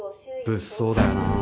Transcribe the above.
物騒だよな。